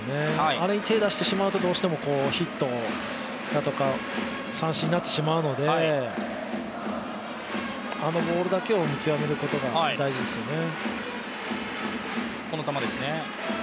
あれに手を出してしまうとどうしてもヒットだとか三振になってしまうのであのボールだけを見極めることが大事ですね。